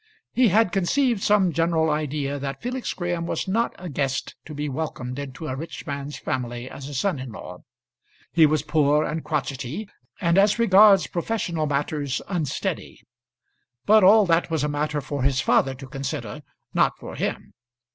He had conceived some general idea that Felix Graham was not a guest to be welcomed into a rich man's family as a son in law. He was poor and crotchety, and as regards professional matters unsteady. But all that was a matter for his father to consider, not for him.